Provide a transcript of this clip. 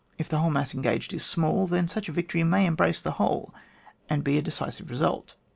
If the whole mass engaged is smaU, then such a victory may embrace the whole, and be a decisive result.